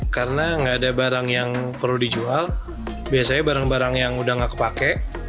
karena enggak ada barang yang perlu dijual biasanya barang barang yang udah nggak kepake